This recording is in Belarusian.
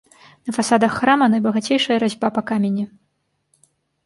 На фасадах храма найбагацейшая разьба па камені.